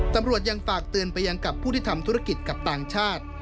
ตำรวจยังฝากเตือนไปยังกับผู้ที่ทำธุรกิจกับต่างชาติ